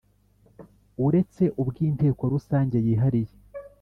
uretse ubw Inteko Rusange yihariye